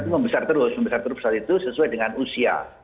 membesar terus membesar terus besar itu sesuai dengan usia